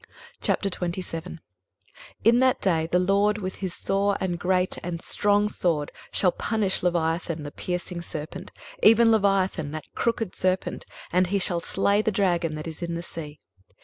23:027:001 In that day the LORD with his sore and great and strong sword shall punish leviathan the piercing serpent, even leviathan that crooked serpent; and he shall slay the dragon that is in the sea.